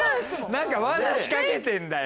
何か罠仕掛けてるんだよ。